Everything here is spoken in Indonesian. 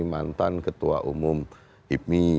mantan ketua umum ipmi